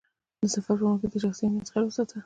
د سفر پر مهال د شخصي امنیت خیال وساته.